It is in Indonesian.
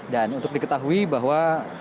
dan untuk diketahui bahwa